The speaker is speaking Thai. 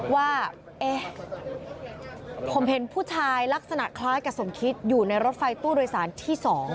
ว่าผมเห็นผู้ชายลักษณะคล้ายกับสมคิดอยู่ในรถไฟตู้โดยสารที่๒